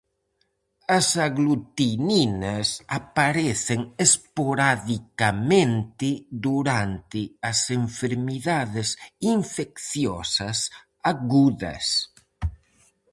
As aglutininas aparecen esporadicamente durante as enfermidades infecciosas agudas.